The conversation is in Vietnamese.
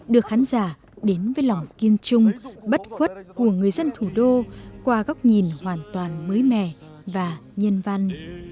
đưa khán giả đến với lòng kiên trung bất khuất của người dân thủ đô qua góc nhìn hoàn toàn mới mẻ và nhân văn